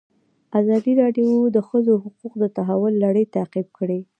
ازادي راډیو د د ښځو حقونه د تحول لړۍ تعقیب کړې.